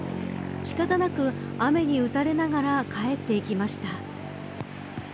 仕方なく、雨に打たれながら帰っていきました。